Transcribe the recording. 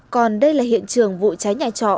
còn đây là hiện trường vụ cháy nhà trọ